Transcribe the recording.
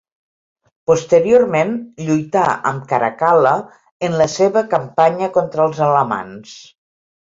Posteriorment lluità amb Caracal·la en la seva campanya contra els alamans.